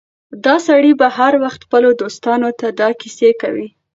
دا سړی به هر وخت خپلو دوستانو ته دا کيسه کوي.